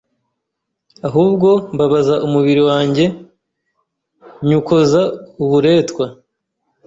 Ahubwo mbabaza umubiri wanjye nywukoza uburetwa,